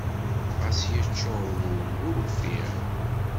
Xas yeččuṛ wul ur ufiɣ.